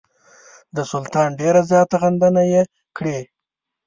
د سلطان ډېره زیاته غندنه یې کړې.